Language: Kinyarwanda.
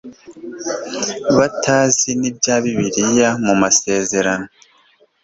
batazi n'ibya bibiliya mu masezerano